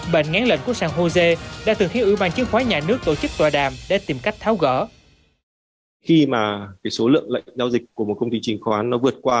bệnh ngán lệnh của sàng hồ sê đã từng khiến ủy ban chứng khoán nhà nước tổ chức tòa đàm để tìm cách tháo gỡ